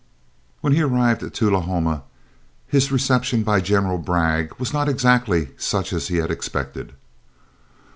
When he arrived at Tullahoma, his reception by General Bragg was not exactly such as he had expected.